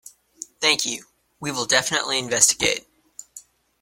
Thank you. Will definitely investigate.